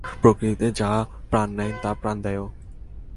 প্রকৃতিতে যা প্রাণ নেয়, তা প্রাণ দেয়ও।